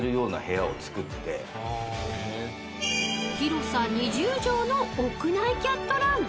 ［広さ２０畳の屋内キャットラン］